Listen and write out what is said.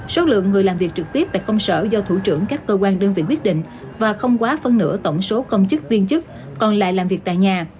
số lượng người làm việc trực tiếp tại công sở do thủ trưởng các cơ quan đơn vị quyết định và không quá phân nửa tổng số công chức viên chức còn lại làm việc tại nhà